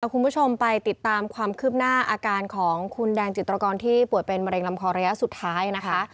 คุณผู้ชมไปติดตามความคืบหน้าอาการของคุณแดงจิตรกรที่ป่วยเป็นมะเร็งลำคอระยะสุดท้ายนะคะ